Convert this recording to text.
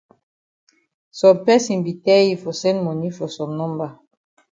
Some person be tell yi for send moni for some number.